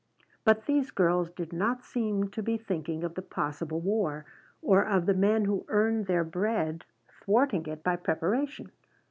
But these girls did not seem to be thinking of the possible war, or of the men who earned their bread thwarting it by preparation.